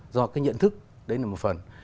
do cái nhận thức đấy là một phần